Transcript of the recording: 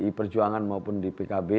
di perjuangan maupun di pkb